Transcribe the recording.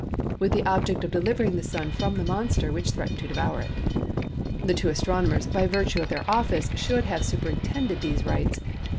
with the object of delivering the Sun from the monster which threatened to devour it. The two astronomers by virtue of their office should have superintended these rites.